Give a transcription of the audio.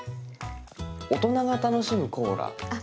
大人が楽しむコーラみたいな。